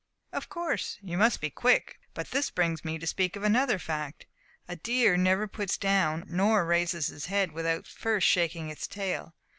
"Of course you must be quick; but this brings me to speak of another fact. A deer never puts down nor raises his head without first shaking his tail.